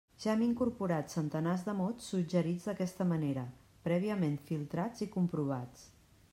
Ja hem incorporat centenars de mots suggerits d'aquesta manera, prèviament filtrats i comprovats.